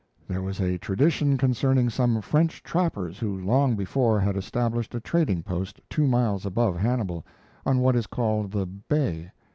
There was a tradition concerning some French trappers who long before had established a trading post two miles above Hannibal, on what is called the "bay."